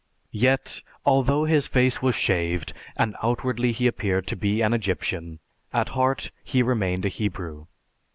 Yet, although his face was shaved, and outwardly he appeared to be an Egyptian, at heart he remained a Hebrew.